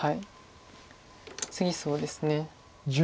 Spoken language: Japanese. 次そうですね。